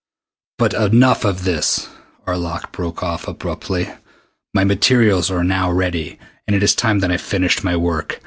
"But enough of this!" Arlok broke off abruptly. "My materials are now ready, and it is time that I finished my work.